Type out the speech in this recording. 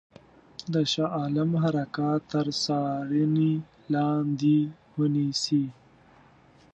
د شاه عالم حرکات تر څارني لاندي ونیسي.